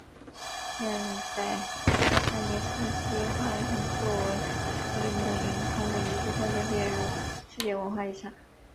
现在泰尼斯基花园作为克里姆林宫的一部分被列入世界文化遗产。